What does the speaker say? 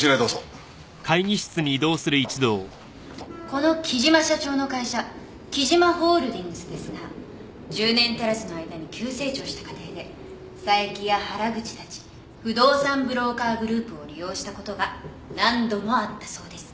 この貴島社長の会社貴島ホールディングスですが１０年足らずの間に急成長した過程で佐伯や原口たち不動産ブローカーグループを利用した事が何度もあったそうです。